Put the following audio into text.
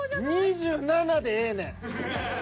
２７でええねん。